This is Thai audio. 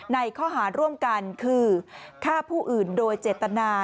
ในข้อหาร่วมกันคือฆ่าผู้อื่นโดยเจตนา